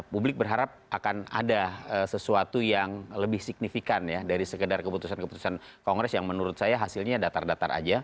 publik berharap akan ada sesuatu yang lebih signifikan ya dari sekedar keputusan keputusan kongres yang menurut saya hasilnya datar datar aja